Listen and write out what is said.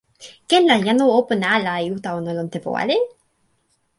ken la jan o open ala e uta ona lon tenpo ale?